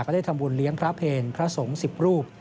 ได้ทำบุญเลี้ยงพระเพลพระสงฆ์๑๐รูป